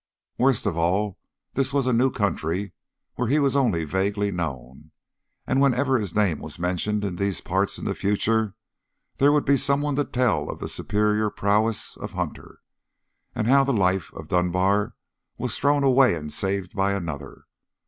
Worst of all, this was a new country where he was only vaguely known, and whenever his name was mentioned in these parts in the future, there would be someone to tell of the superior prowess of Hunter, and how the life of Dunbar was thrown away and saved by another.